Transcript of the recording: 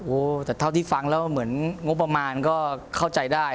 โอ้โหแต่เท่าที่ฟังแล้วเหมือนงบประมาณก็เข้าใจได้